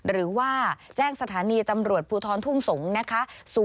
หรือว่าแจ้งสถานีตำรวจภูทรทุ่งสงศ์นะคะ